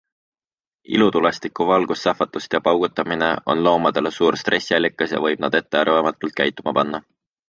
Ilutulestiku valgussähvatused ja paugutamine on loomadele suur stressiallikas ja võib nad ettearvamatult käituma panna.